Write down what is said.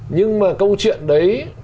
nhưng mà câu chuyện đấy